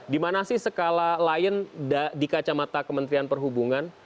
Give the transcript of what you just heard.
di mana sih skala lion di kacamata kementerian perhubungan